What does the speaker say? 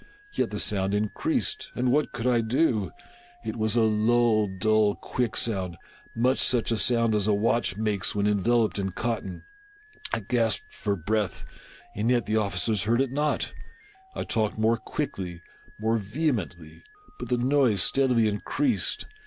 Yet the sound in creased— and what could I do ? It was a low, dull, quick sound — much such a sound as a watch makes when envel oped in cotton. I gasped for breath — and yet the officers THE TELL TALE LIE ART. 575 heard it not. I talked more quickly — more vehemently ; but the noise steadily increased.